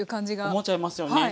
思っちゃいますよね。